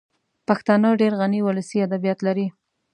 پښتانه ډېر غني ولسي ادبیات لري